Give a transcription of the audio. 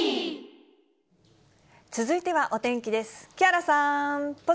続いてはお天気です。